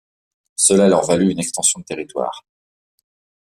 Cela leur valut une extension de territoire.